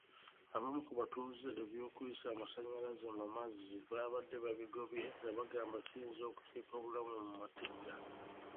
Abamu ku batuuze eby'okuyisa amasannyalaze mumazzi baabadde babigobye nga bagamba kiyinza okuteeka obulamu mu matigga.